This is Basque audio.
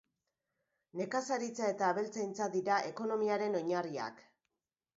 Nekazaritza eta abeltzaintza dira ekonomiaren oinarriak.